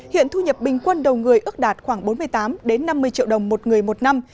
hiện thu nhập bình quân đầu người ước đạt khoảng bốn mươi tám năm mươi triệu đồng một người một năm